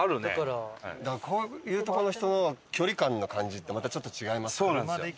こういうとこの人の距離感の感じってまたちょっと違いますよね。